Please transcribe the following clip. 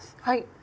はい。